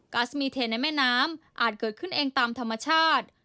ัสมีเทนในแม่น้ำอาจเกิดขึ้นเองตามธรรมชาติ